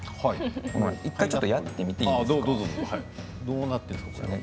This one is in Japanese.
１回、ちょっとやってみていいですか。